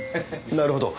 なるほど。